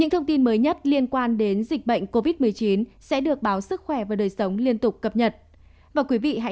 cảm ơn các bạn đã theo dõi và hẹn gặp lại